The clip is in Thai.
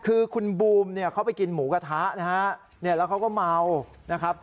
คือคุณบูมเขาไปกินหมูกระทะแล้วเขาก็เมา